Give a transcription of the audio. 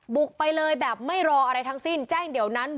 บุกไปเลยแบบไม่รออะไรทั้งสิ้น